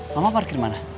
mama parkir mana